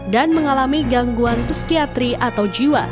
dan mengalami gangguan peskiatri atau jiwa